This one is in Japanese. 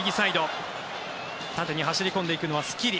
縦に走り込んでいくのはスキリ。